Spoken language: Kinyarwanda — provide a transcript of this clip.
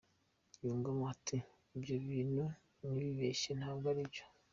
Yungamo ati “Ibyo bintu nibibeshye ntabwo aribyo.